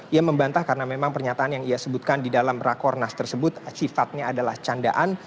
ia membantah karena memang pernyataan yang ia sebutkan di dalam rakornas tersebut sifatnya adalah candaan